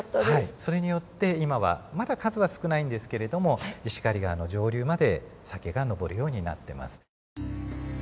はいそれによって今はまだ数は少ないんですけれども石狩川の上流までサケが上るようになってます。